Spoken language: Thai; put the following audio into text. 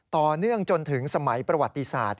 ต่อเนื่องจนถึงสมัยประวัติศาสตร์